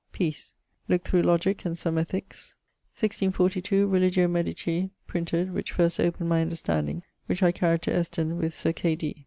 Peace. Lookt through Logique and some Ethiques. 1642, Religio Medici printed, which first opened my understanding, which I carryed to Eston, with Sir K.